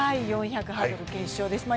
４００ｍハードル決勝です。